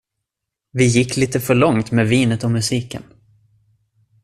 Vi gick lite för långt med vinet och musiken.